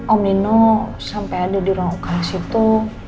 om nino sampai ada di ruang ukal situ